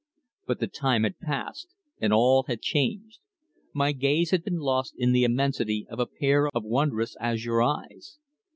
But the time had passed, and all had changed. My gaze had been lost in the immensity of a pair of wondrous azure eyes.